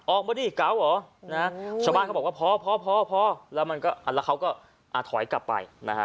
ออกมาดีกั๊วเหรอชาวบ้านเขาบอกว่าพอแล้วเขาก็ถอยกลับไป